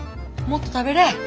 もっと食べれ。